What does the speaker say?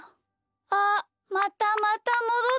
あっまたまたもどってきたよ。